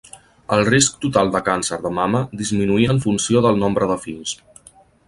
El risc total de càncer de mama disminuïa en funció del nombre de fills.